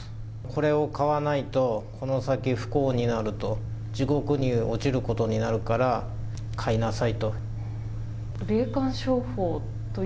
これを買わないと、この先、不幸になると、地獄に落ちることになるから買いなさいと。